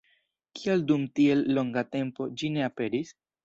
Kial dum tiel longa tempo ĝi ne aperis?